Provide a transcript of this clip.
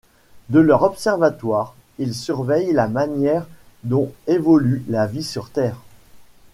De leurs observatoires, ils surveillent la manière dont évolue la vie sur Terre.